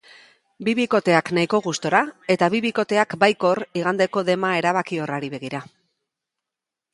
Bi bikoteak nahiko gustora eta bi bikoteak baikor igandeko dema erabakiorrari begira.